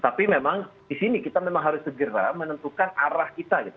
tapi memang di sini kita memang harus segera menentukan arah kita gitu